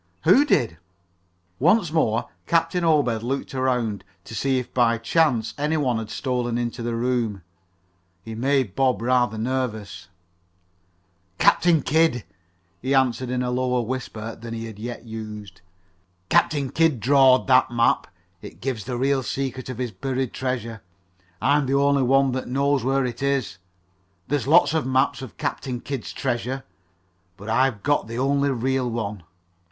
"Who did?" Once more Captain Obed looked around to see if by chance any one had stolen into the room. He made Bob rather nervous. "Captain Kidd," he answered in a lower whisper than he had yet used. "Captain Kidd drawed that map. It gives the real secret of his buried treasure. I'm the only one that knows where it is. There's lots of maps of Captain Kidd's treasure, but I've got the only real one.